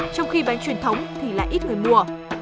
trong khi bánh truyền thống thì lại ít người mua